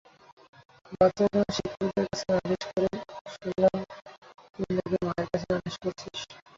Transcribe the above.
বাচ্চারা যেমন শিক্ষকদের কাছে নালিশ করে, শুনলাম তুই না-কি মায়ের কাছে নালিশ করেছিস?